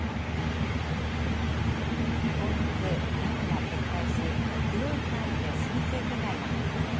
今月、ダムが決壊し、広い範囲で浸水被害が発生。